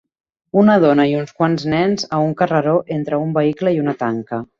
Una dona i uns quants nens a un carreró entre un vehicle i una tanca